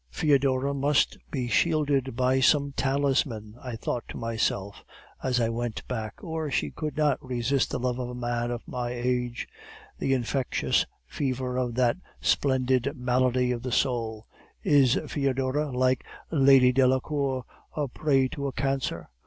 "'Foedora must be shielded by some talisman,' I thought to myself as I went back, 'or she could not resist the love of a man of my age, the infectious fever of that splendid malady of the soul. Is Foedora, like Lady Delacour, a prey to a cancer?